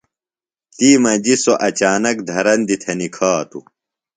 تی مجیۡ سوۡ اچانک دھرندیۡ تھےۡ نِکھاتوۡ۔